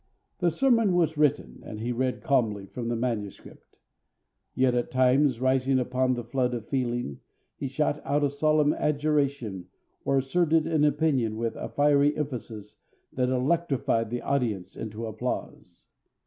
The sermon was written, and he read calmly from the manuscript. Yet at times, rising upon the flood of feeling, he shot out a solemn adjuration or asserted an opinion with a fiery emphasis that electrified the audience into applause.